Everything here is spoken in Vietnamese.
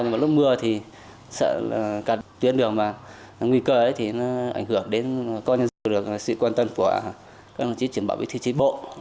nhưng mà lúc mưa thì sợ cả tuyên đường và nguy cơ ấy thì nó ảnh hưởng đến con nhân dân được sự quan tâm của các đồng chí triển bảo vị trí trí bộ